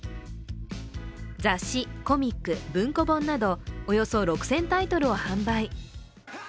雑誌・コミック・文庫本など、およそ６０００タイトルを販売。